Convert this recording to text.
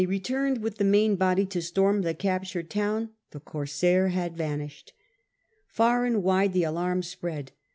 returned with the main body to storm the captured town the corsair had vanished. Far and wide the alarm spread.